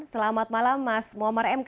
selamat malam mas momar mk